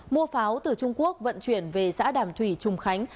mua pháo từ trung quốc vận chuyển về xã đàm thủy trùng khánh